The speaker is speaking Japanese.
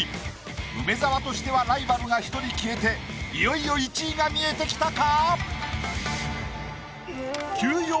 梅沢としてはライバルが１人消えていよいよ１位が見えてきたか？